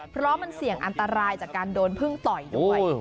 เพราะมันเสี่ยงอันตรายจากการโดนพึ่งต่อยด้วย